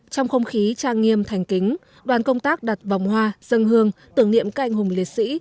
trong không khí trang nghiêm thành kính đoàn công tác đặt vòng hoa dân hương tưởng niệm các anh hùng liệt sĩ